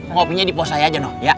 ngopinya diposah aja noh ya